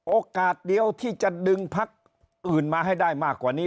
โอกาสเดียวที่จะดึงพักอื่นมาให้ได้มากกว่านี้